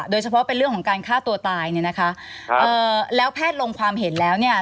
โดยเฉพาะเป็นเรื่องของการฆ่าตัวตายเนี่ยนะคะครับเอ่อแล้วแพทย์ลงความเห็นแล้วเนี่ย